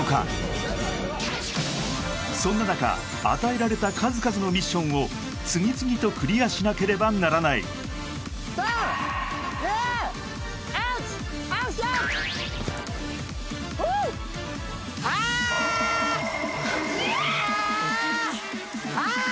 そんな中与えられた数々のミッションを次々とクリアしなければならない３２１アクションああーっ！